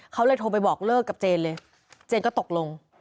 เขาเลยโทรไปบอกเลิกกับเจนเลยเจนก็ตกลง